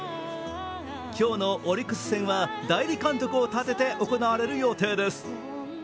今日のオリックス戦は代理監督をたてて行われる予定です。